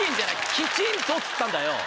「きちんと」っつったんだよ！